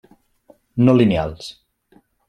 No lineals: